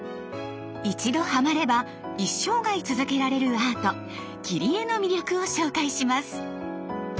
一度ハマれば一生涯続けられるアート「切り絵」の魅力を紹介します。